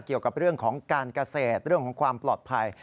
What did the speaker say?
เกี่ยวกับเรื่องของการเกษตรเรื่องของความปลอดภัย